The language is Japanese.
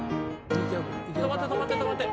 止まって止まって止まって。